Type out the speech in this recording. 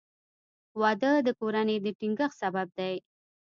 • واده د کورنۍ د ټینګښت سبب دی.